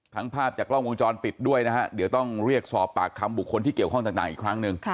ภาพจากกล้องวงจรปิดด้วยนะฮะเดี๋ยวต้องเรียกสอบปากคำบุคคลที่เกี่ยวข้องต่างอีกครั้งหนึ่ง